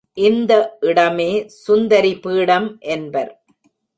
இந்த இடமே சுந்தரிபீடம் என்பர்.